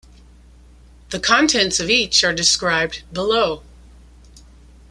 The contents of each are described below.